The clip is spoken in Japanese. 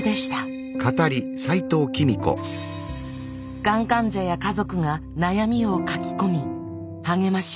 がん患者や家族が悩みを書き込み励まし合える場所。